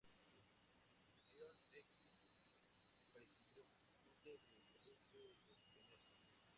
Sesión X: Presidió: Conde de Guadalupe del Peñasco.